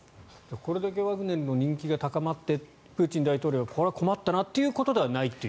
これだけワグネルの人気が高まってプーチン大統領がこれは困ったなということではないと。